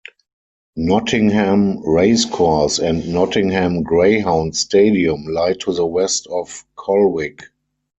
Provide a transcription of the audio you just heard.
Nottingham Racecourse and Nottingham Greyhound Stadium lie to the west of Colwick.